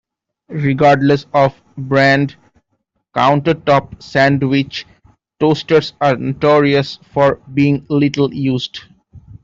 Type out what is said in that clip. Regardless of brand counter-top sandwich toasters are notorious for being little-used.